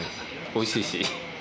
おいしいし。